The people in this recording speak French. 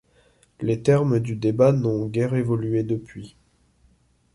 Les termes du débat n'ont guère évolués depuis.